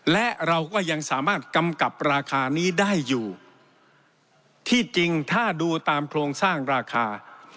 และเราก็ยังสามารถกำกับราคานี้ได้อยู่ที่จริงถ้าดูตามโครงสร้างราคา